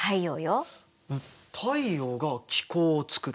太陽が気候をつくる？